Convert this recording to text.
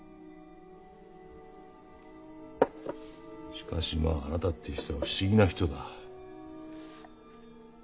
しかしまああなたって人は不思議な人だ。